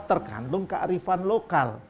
tergantung kearifan lokal